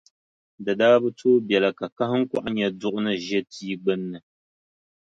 Di daa bi tooi biɛla ka kahiŋkɔɣu nya duɣu ni ʒe tia gbunni,